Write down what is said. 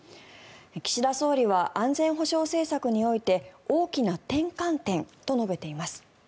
岸田総理は安全保障政策において大きな転換点と述べています。